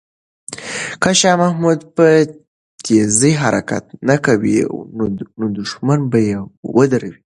که شاه محمود په تېزۍ حرکت نه کوي، دښمن به یې ودروي.